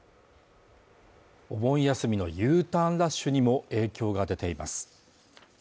お盆休みのＵターンラッシュにも影響が出ています